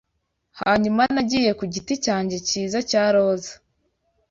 Hanyuma nagiye ku giti cyanjye cyiza cya roza